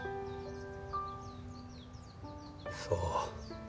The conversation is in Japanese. そう。